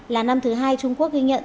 là năm thứ hai trung quốc ghi nhận